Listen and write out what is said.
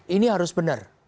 ini harus benar